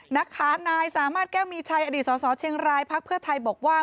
นะคะนายสามารถแก้วมีชัยอดีตสสเชียงรายพักเพื่อไทยบอกว่า